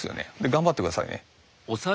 頑張って下さいね。